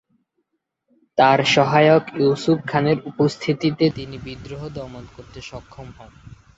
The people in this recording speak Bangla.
তার সহায়ক ইউসুফ খানের উপস্থিতিতে তিনি বিদ্রোহ দমন করতে অক্ষম হন।